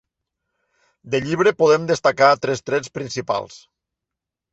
Del llibre podem destacar tres trets principals.